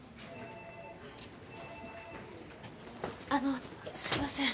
あのすいません。